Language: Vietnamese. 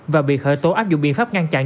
và bị khởi tố áp dụng biện pháp ngăn chặn